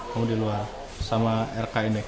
kamu di luar sama rkn ya